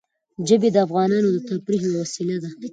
ژبې د افغانانو د تفریح یوه وسیله ده.